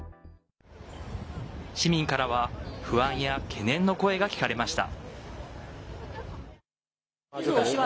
市民からは不安や懸念の声が聞かれました。